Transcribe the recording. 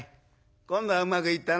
今度はうまくいったの？」。